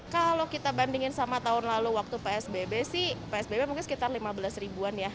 kalau kita bandingin sama tahun lalu waktu psbb sih psbb mungkin sekitar lima belas ribuan ya